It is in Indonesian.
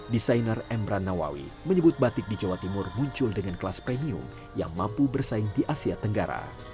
desainer embran nawawi menyebut batik di jawa timur muncul dengan kelas premium yang mampu bersaing di asia tenggara